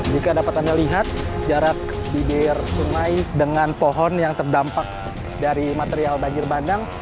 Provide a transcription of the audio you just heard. jika dapat anda lihat jarak bibir sungai dengan pohon yang terdampak dari material banjir bandang